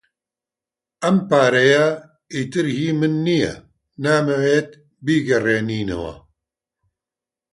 ئەم پارەیە ئیتر هی من نییە. نامەوێت بیگەڕێنیتەوە.